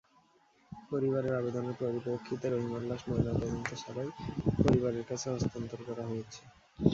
পরিবারের আবেদনের পরিপ্রেক্ষিতে রহিমার লাশ ময়নাতদন্ত ছাড়াই পরিবারের কাছে হস্তান্তর করা হয়েছে।